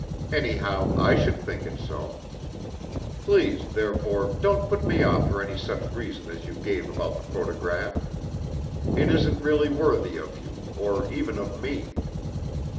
Anyhow, I should think it so. Please, therefore, don't put me off for any such reason as you gave about the photograph. It isn't really worthy of you, or even of me.